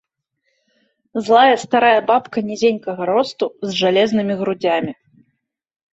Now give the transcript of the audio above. Злая старая бабка нізенькага росту, з жалезнымі грудзямі.